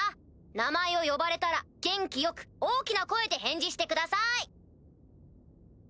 名前を呼ばれたら元気よく大きな声で返事してください！